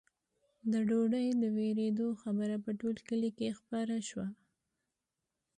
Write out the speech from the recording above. د ډوډۍ د ورېدو خبره په ټول کلي کې خپره شوه.